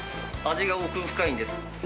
味が奥深いんです。